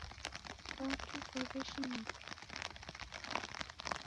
Kwaki Mwaw'eshinika?